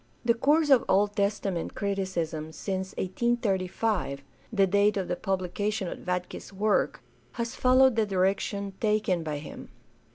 The course of Old Testament criticism since 1835, the date of the publica tion of Vatke's work, has followed the direction taken by him.